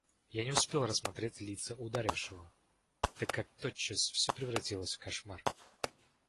Я не успел рассмотреть лица ударившего, так как тотчас все превратилось в кошмар.